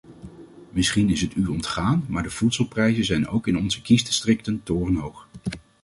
Misschien is het u ontgaan, maar de voedselprijzen zijn ook in onze kiesdistricten torenhoog.